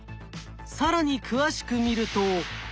更に詳しく見ると。